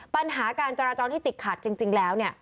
ปัญหาการจราจรที่ติดขัดจริงแล้วเนี่ย